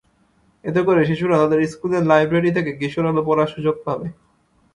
এতে করে শিশুরা তাদের স্কুলের লাইব্রেরি থেকে কিশোর আলো পড়ার সুযোগ পাবে।